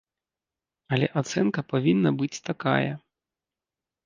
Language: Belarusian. Але ацэнка павінна быць такая.